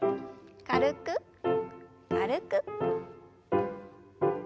軽く軽く。